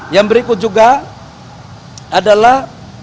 yang berikut juga adalah